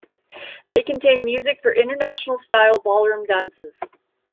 They contain music for International Style ballroom dances.